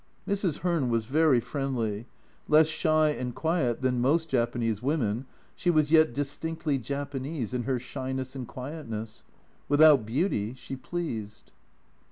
Mrs. Hearn was very friendly : less shy and quiet than most Japanese 248 A Journal from Japan women, she was yet distinctly Japanese in her shyness and quietness. Without beauty, she pleased.